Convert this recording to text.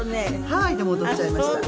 ハワイでも踊っちゃいました。